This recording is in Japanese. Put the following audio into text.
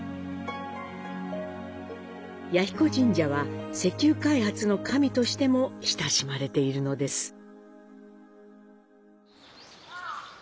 彌彦神社は、石油開発の神としても親しまれているのです。